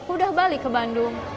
udah balik ke bandung